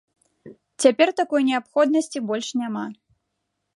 Цяпер такой неабходнасці больш няма.